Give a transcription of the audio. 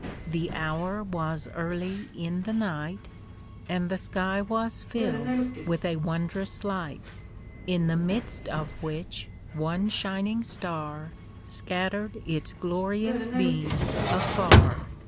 The hour was early in the night. And the sky was filled with a wondrous light, In the midst of wffich one shining star Scattered its glorious beams afar.